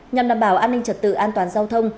nhằm đảm bảo an ninh trật tự an toàn giao thông